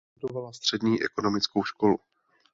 Vystudovala Střední ekonomickou školu.